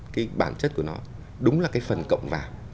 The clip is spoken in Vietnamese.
cái bản chất của nó đúng là cái phần cộng vào